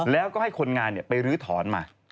แล้วก็ให้คนงานไปลื้อถอนมา